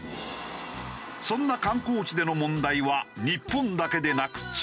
そんな観光地での問題は日本だけでなく中国でも。